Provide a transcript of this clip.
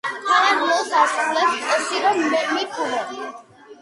მთავარ როლს ასრულებს ტოსირო მიფუნე.